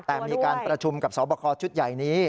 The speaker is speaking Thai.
แต่มีการประชุมกับสอบคอชุดใหญ่นี้